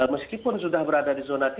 meskipun sudah berada di zona tiga